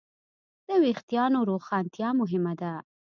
د وېښتیانو روښانتیا مهمه ده.